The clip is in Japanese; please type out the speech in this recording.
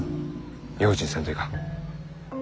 用心せんといかん。